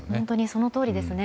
そのとおりですね。